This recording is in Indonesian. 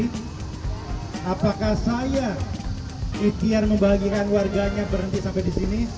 apakah saya ikhtiar membagikan warganya berhenti sampai di sini